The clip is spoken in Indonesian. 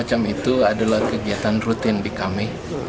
semacam itu adalah kegiatan rutin di kami